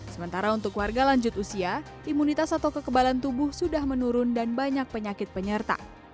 sementara untuk warga lanjut usia imunitas atau kekebalan tubuh sudah menurun dan banyak penyakit penyerta